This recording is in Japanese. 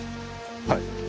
はい。